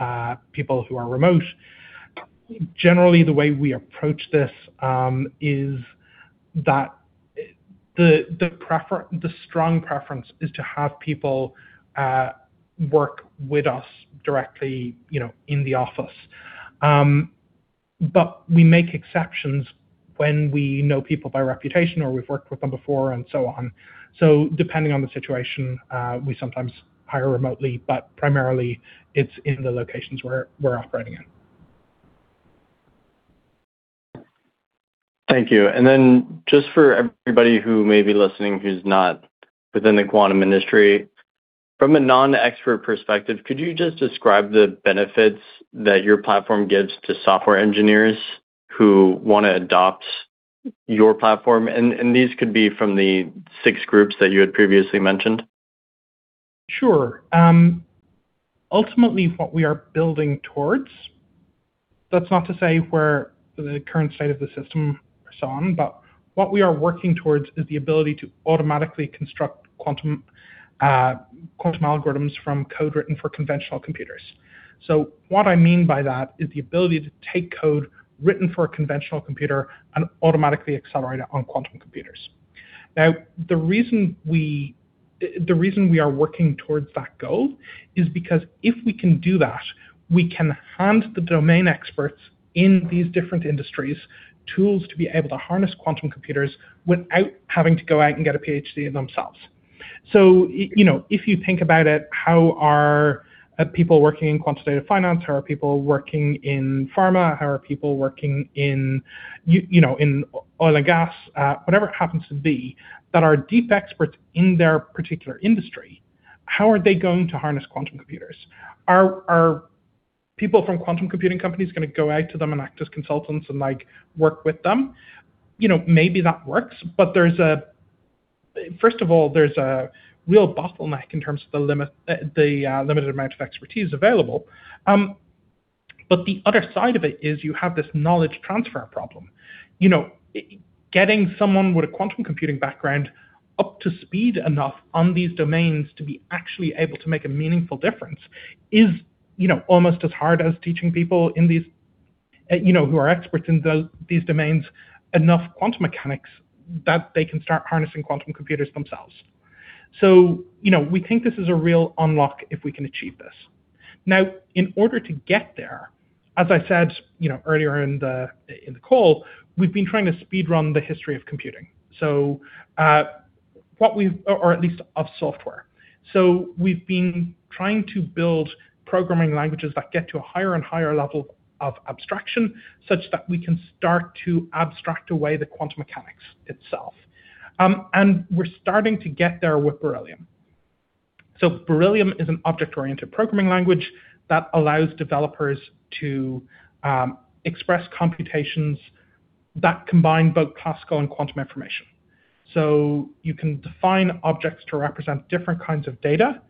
people who are remote, generally the way we approach this is that the strong preference is to have people work with us directly, you know, in the office. We make exceptions when we know people by reputation or we've worked with them before and so on. Depending on the situation, we sometimes hire remotely, but primarily it's in the locations we're operating in. Thank you. Just for everybody who may be listening who's not within the quantum industry, from a non-expert perspective, could you just describe the benefits that your platform gives to software engineers who wanna adopt your platform? These could be from the six groups that you had previously mentioned. Sure. Ultimately what we are building towards, that's not to say we're the current state of the system or so on, but what we are working towards is the ability to automatically construct quantum quantum algorithms from code written for conventional computers. What I mean by that is the ability to take code written for a conventional computer and automatically accelerate it on quantum computers. The reason we are working towards that goal is because if we can do that, we can hand the domain experts in these different industries tools to be able to harness quantum computers without having to go out and get a PhD themselves. You know, if you think about it, how are people working in quantitative finance, how are people working in pharma, how are people working in you know, in oil and gas, whatever it happens to be, that are deep experts in their particular industry, how are they going to harness quantum computers? Are people from quantum computing companies gonna go out to them and act as consultants and, like, work with them? You know, maybe that works, but first of all, there's a real bottleneck in terms of the limited amount of expertise available. The other side of it is you have this knowledge transfer problem. You know, getting someone with a quantum computing background up to speed enough on these domains to be actually able to make a meaningful difference is, you know, almost as hard as teaching people in these domains enough quantum mechanics that they can start harnessing quantum computers themselves. You know, we think this is a real unlock if we can achieve this. Now, in order to get there, as I said, you know, earlier in the call, we've been trying to speedrun the history of computing. Or at least of software. We've been trying to build programming languages that get to a higher and higher level of abstraction such that we can start to abstract away the quantum mechanics itself. We're starting to get there with Beryllium. Beryllium is an object-oriented programming language that allows developers to express computations that combine both classical and quantum information. You can define objects to represent different kinds of data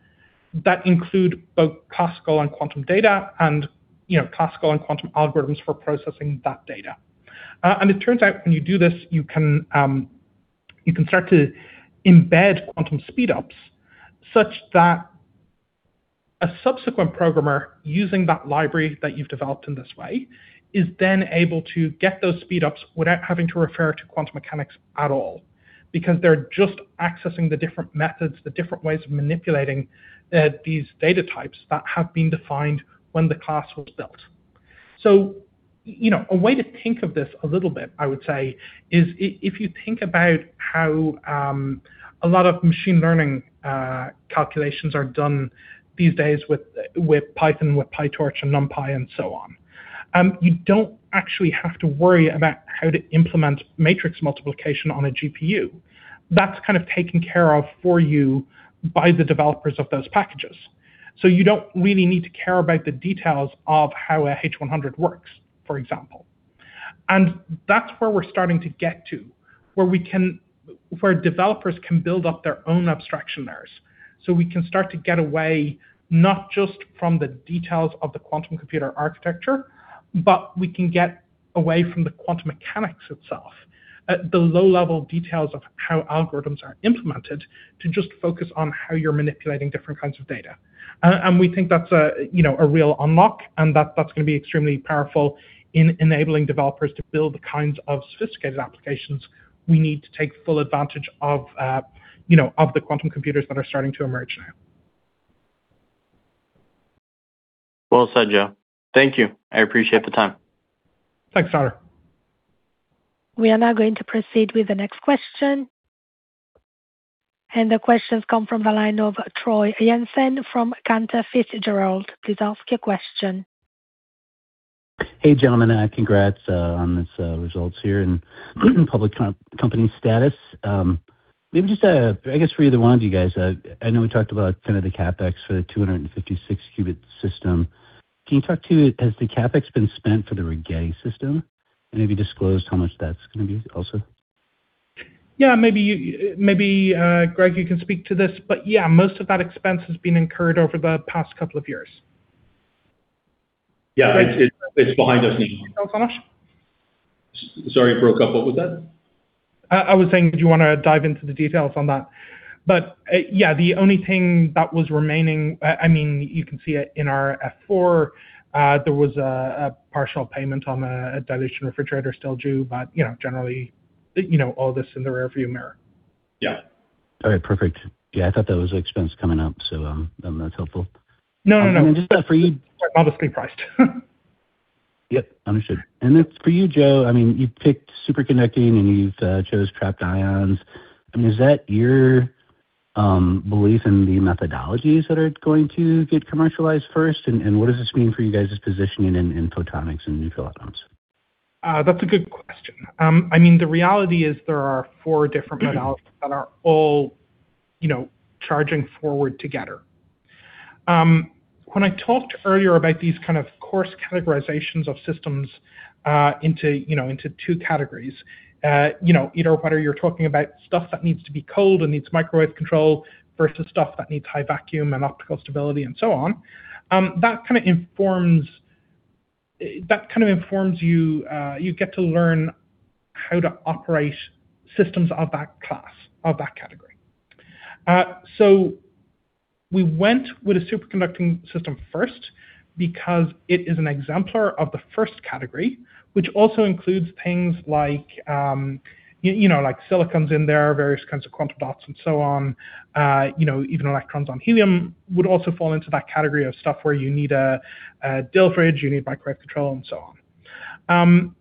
that include both classical and quantum data and, you know, classical and quantum algorithms for processing that data. And it turns out when you do this, you can start to embed quantum speedups such that a subsequent programmer using that library that you've developed in this way is then able to get those speedups without having to refer to quantum mechanics at all, because they're just accessing the different methods, the different ways of manipulating these data types that have been defined when the class was built. You know, a way to think of this a little bit, I would say, is if you think about how a lot of machine learning calculations are done these days with Python, with PyTorch and NumPy and so on, you don't actually have to worry about how to implement matrix multiplication on a GPU. That's kind of taken care of for you by the developers of those packages. You don't really need to care about the details of how a H100 works, for example. That's where we're starting to get to, where developers can build up their own abstraction layers. We can start to get away not just from the details of the quantum computer architecture, but we can get away from the quantum mechanics itself, the low-level details of how algorithms are implemented to just focus on how you're manipulating different kinds of data. We think that's a, you know, a real unlock, and that's gonna be extremely powerful in enabling developers to build the kinds of sophisticated applications we need to take full advantage of, you know, of the quantum computers that are starting to emerge now. Well said, Joe. Thank you. I appreciate the time. Thanks, Tyler. We are now going to proceed with the next question. The question's come from the line of Troy Jensen from Cantor Fitzgerald. Please ask your question. Hey, gentlemen. Congrats on these results here and public company status. Maybe just I guess for either one of you guys, I know we talked about kind of the CapEx for the 256 qubit system. Can you talk to, has the CapEx been spent for the Rigetti system? Have you disclosed how much that's gonna be also? Yeah, maybe Greg, you can speak to this, but yeah, most of that expense has been incurred over the past couple of years. Yeah, it's behind us now. Details on it? Sorry, I broke up. What was that? I was saying, did you wanna dive into the details on that? yeah, the only thing that was remaining, I mean, you can see it in our F4, there was a partial payment on a dilution refrigerator still due, you know, generally, you know, all this is in the rearview mirror. Yeah. All right. Perfect. Yeah, I thought that was expense coming up, so, that's helpful. No, no. And just for you. It's all obviously priced. Understood. For you, Joe, I mean, you picked superconducting and you've chose trapped ions. I mean, is that your belief in the methodologies that are going to get commercialized first? What does this mean for you guys' positioning in photonics and neutral atoms? That's a good question. I mean, the reality is there are four different modalities that are all, you know, charging forward together. When I talked earlier about these kind of coarse categorizations of systems, into, you know, into two categories. You know, either whether you're talking about stuff that needs to be cold and needs microwave control versus stuff that needs high vacuum and optical stability and so on, that kind of informs you get to learn how to operate systems of that class, of that category. We went with a superconducting system first because it is an exemplar of the first category, which also includes things like, you know, like silicon's in there, various kinds of quantum dots and so on. You know, even electrons on helium would also fall into that category of stuff where you need a dil fridge, you need microwave control and so on.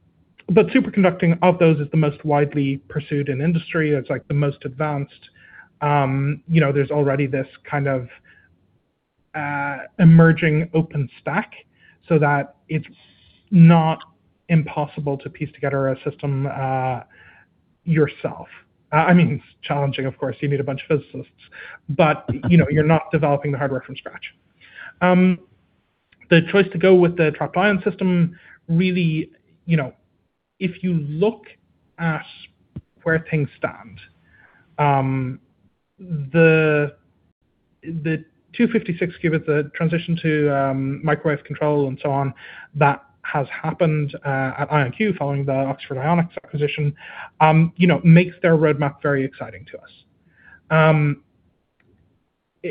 Superconducting of those is the most widely pursued in industry. It's like the most advanced. You know, there's already this kind of emerging open stack so that it's not impossible to piece together a system yourself. I mean, it's challenging, of course. You need a bunch of physicists. You know, you're not developing the hardware from scratch. The choice to go with the trapped ion system, really, you know, if you look at where things stand, the 256-qubit, the transition to microwave control and so on that has happened at IonQ following the Oxford Ionics acquisition, you know, makes their roadmap very exciting to us.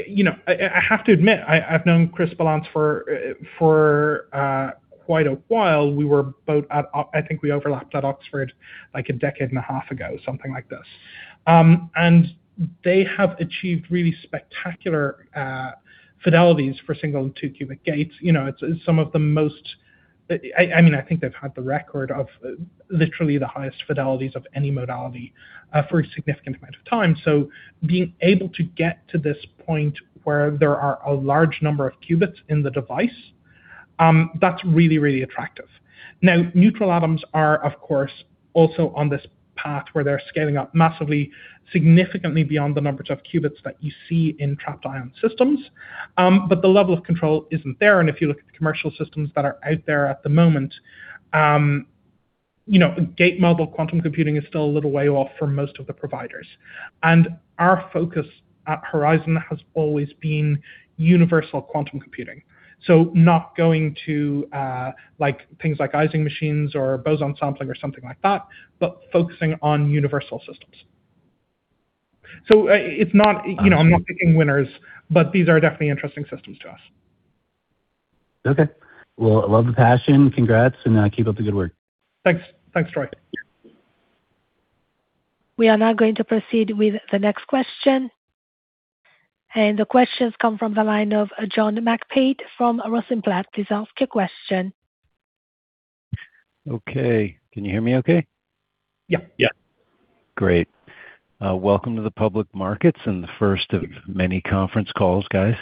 you know, I have to admit, I've known Chris Ballance for quite a while. We were both at Oxford I think we overlapped at Oxford like a decade and a half ago, something like this. They have achieved really spectacular fidelities for single and 2-qubit gates. You know, it's some of the most I mean, I think they've had the record of literally the highest fidelities of any modality for a significant amount of time. Being able to get to this point where there are a large number of qubits in the device, that's really, really attractive. Now, neutral atoms are, of course, also on this path where they're scaling up massively, significantly beyond the numbers of qubits that you see in trapped ion systems. But the level of control isn't there, if you look at the commercial systems that are out there at the moment, you know, gate model quantum computing is still a little way off for most of the providers. Our focus at Horizon has always been universal quantum computing. Not going to, like, things like Ising machines or boson sampling or something like that, but focusing on universal systems. It's not, you know, I'm not picking winners, but these are definitely interesting systems to us. Okay. Well, love the passion. Congrats. Keep up the good work. Thanks. Thanks, Troy. We are now going to proceed with the next question, and the question's come from the line of John McPeake from Rosenblatt. Please ask your question. Okay. Can you hear me okay? Yeah. Great. Welcome to the public markets and the first of many conference calls, guys.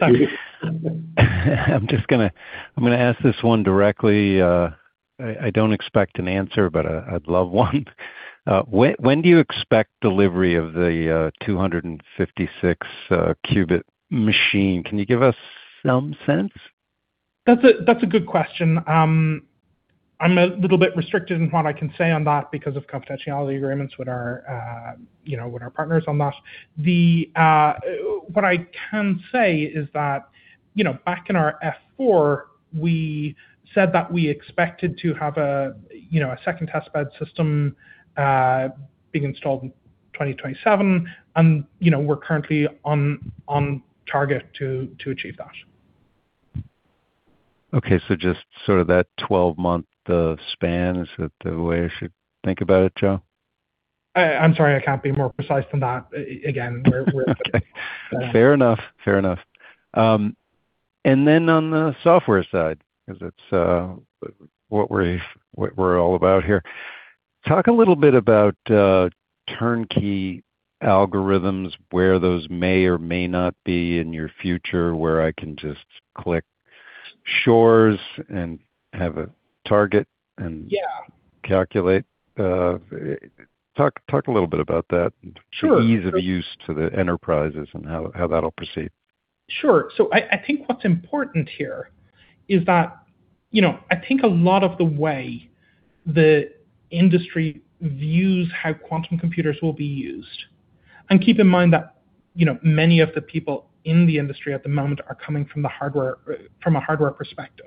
Thank you. I'm just gonna ask this one directly. I don't expect an answer, but I'd love one. When do you expect delivery of the 256 qubit machine? Can you give us some sense? That's a good question. I'm a little bit restricted in what I can say on that because of confidentiality agreements with our, you know, with our partners on that. What I can say is that, you know, back in our F4, we said that we expected to have a, you know, a second testbed system, being installed in 2027 and, you know, we're currently on target to achieve that. Okay. Just sort of that 12-month span, is that the way I should think about it, Joe? I'm sorry I can't be more precise than that. Fair enough. Fair enough. Then on the software side, 'cause it's what we're all about here, talk a little bit about turnkey algorithms, where those may or may not be in your future, where I can just click Shor's and have a target and calculate? Talk a little bit about that. The ease of use to the enterprises and how that'll proceed. Sure. I think what's important here is that, you know, I think a lot of the way the industry views how quantum computers will be used, and keep in mind that, you know, many of the people in the industry at the moment are coming from the hardware, from a hardware perspective.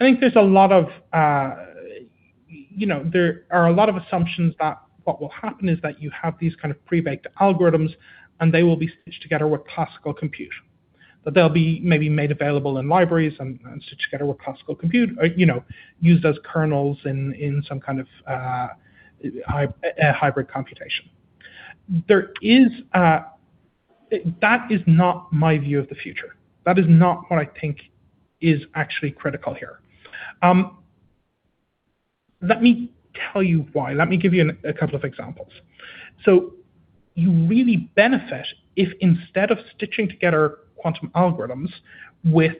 I think there's a lot of, you know, there are a lot of assumptions that what will happen is that you have these kind of pre-baked algorithms, and they will be stitched together with classical computation. That they'll be maybe made available in libraries and stitched together with classical compute, or, you know, used as kernels in some kind of hybrid computation. That is not my view of the future. That is not what I think is actually critical here. Let me tell you why. Let me give you a couple of examples. You really benefit if instead of stitching together quantum algorithms with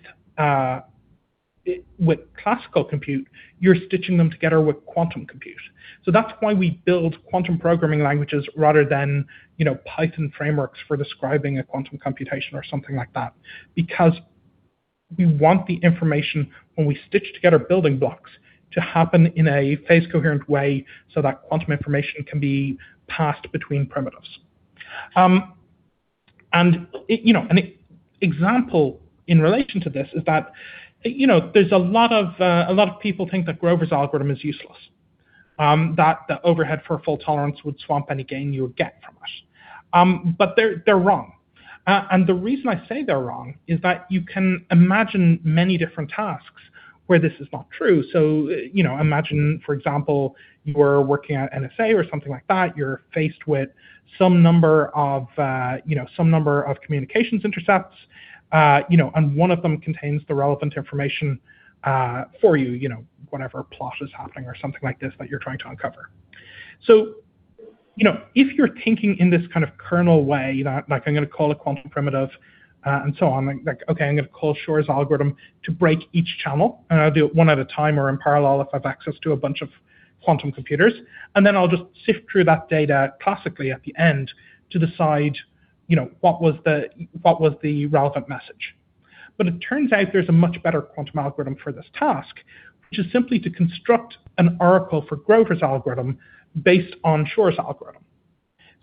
classical compute, you're stitching them together with quantum compute. That's why we build quantum programming languages rather than, you know, Python frameworks for describing a quantum computation or something like that, because we want the information when we stitch together building blocks to happen in a phase coherent way so that quantum information can be passed between primitives. And, you know, an example in relation to this is that, you know, there's a lot of people think that Grover's algorithm is useless, that the overhead for fault tolerance would swamp any gain you would get from it. They're wrong. The reason I say they're wrong is that you can imagine many different tasks where this is not true. You know, imagine, for example, you're working at NSA or something like that. You're faced with some number of, you know, some number of communications intercepts, you know, and one of them contains the relevant information for you. You know, whatever plot is happening or something like this that you're trying to uncover. You know, if you're thinking in this kind of kernel way, like I'm gonna call a quantum primitive, and so on. Okay, I'm gonna call Shor's algorithm to break each channel, and I'll do it one at a time or in parallel if I have access to a bunch of quantum computers. I'll just sift through that data classically at the end to decide, you know, what was the relevant message. It turns out there's a much better quantum algorithm for this task, which is simply to construct an oracle for Grover's algorithm based on Shor's algorithm.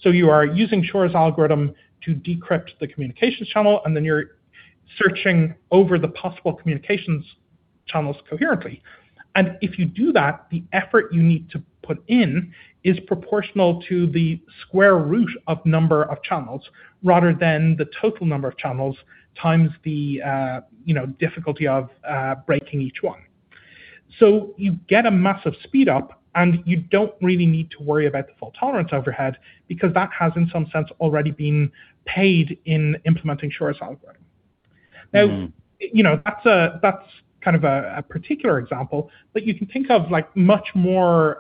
You are using Shor's algorithm to decrypt the communications channel, and then you're searching over the possible communications channels coherently. If you do that, the effort you need to put in is proportional to the square root of number of channels rather than the total number of channels times the, you know, difficulty of breaking each one. You get a massive speed up, and you don't really need to worry about the fault tolerance overhead, because that has in some sense already been paid in implementing Shor's algorithm. You know, that's kind of a particular example, but you can think of, like, much more,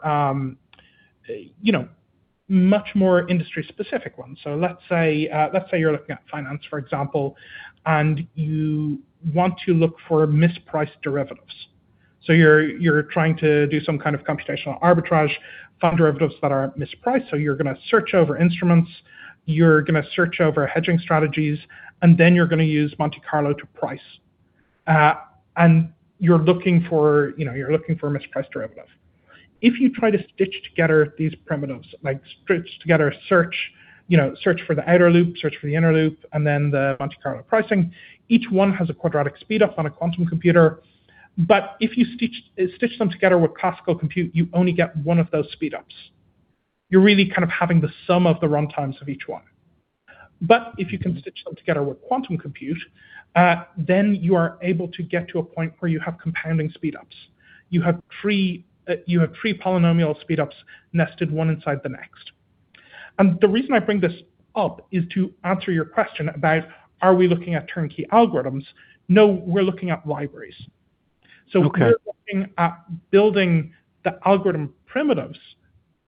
you know, much more industry-specific ones. Let's say you're looking at finance, for example, and you want to look for mispriced derivatives. You're trying to do some kind of computational arbitrage, find derivatives that are mispriced. You're gonna search over instruments, you're gonna search over hedging strategies, and then you're gonna use Monte Carlo to price. You're looking for, you know, you're looking for a mispriced derivative. If you try to stitch together these primitives, like stitch together a search, you know, search for the outer loop, search for the inner loop, and then the Monte Carlo pricing, each one has a quadratic speed up on a quantum computer. If you stitch them together with classical compute, you only get one of those speed ups. You're really kind of having the sum of the runtimes of each one. If you can stitch them together with quantum compute, then you are able to get to a point where you have compounding speed ups. You have pre-polynomial speed ups nested one inside the next. The reason I bring this up is to answer your question about, are we looking at turnkey algorithms? No, we're looking at libraries. Okay. We're looking at building the algorithm primitives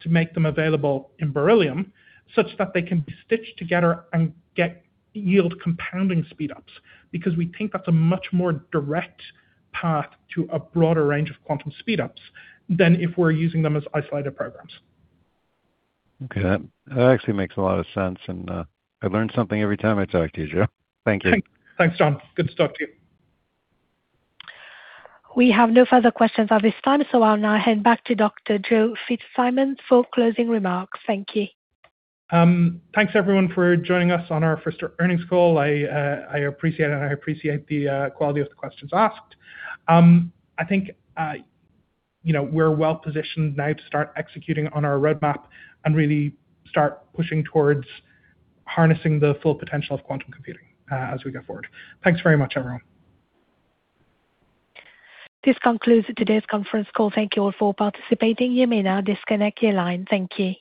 to make them available in Beryllium such that they can be stitched together and yield compounding speed ups, because we think that's a much more direct path to a broader range of quantum speed ups than if we're using them as isolated programs. Okay. That actually makes a lot of sense, and I learn something every time I talk to you, Joe. Thank you. Thanks, John. Good to talk to you. We have no further questions at this time. I'll now hand back to Dr. Joe Fitzsimons for closing remarks. Thank you. Thanks, everyone for joining us on our first earnings call. I appreciate it, and I appreciate the quality of the questions asked. I think, you know, we're well-positioned now to start executing on our roadmap and really start pushing towards harnessing the full potential of quantum computing as we go forward. Thanks very much, everyone. This concludes today's conference call. Thank you all for participating. You may now disconnect your line. Thank you.